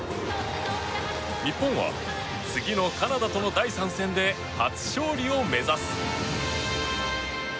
日本は、次のカナダとの第３戦で初勝利を目指す。